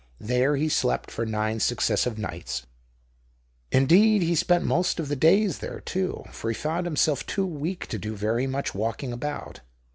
There he slept for nine successive nights ; indeed, he spent most of the days there too, for he found himself too weak to do very much walking about.